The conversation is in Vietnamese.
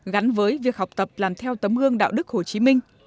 gắn với việc học tập làm theo tấm gương đạo đức hồ chí minh